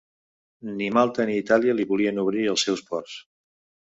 Ni Malta ni Itàlia li volien obrir els seus ports.